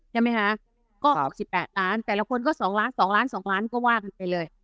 ใช่ไหมฮะก็สิบแปดล้านแต่ละคนก็สองล้านสองล้านสองล้านก็ว่ากันไปเลย